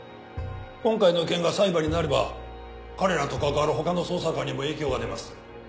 今回の件が裁判になれば彼らと関わる他の捜査官にも影響が出ます。